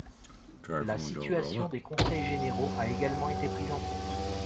La situation des conseils généraux a également été prise en compte.